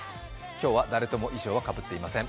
今日は誰とも衣装はかぶっていません。